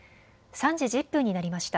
３時１０分になりました。